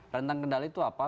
rentang kendali itu apa